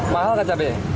mahal kan cabai